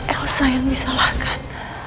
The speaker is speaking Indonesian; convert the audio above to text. elsa yang disalahkan